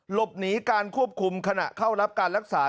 หลบหนีการควบคุมขณะเข้ารับการรักษา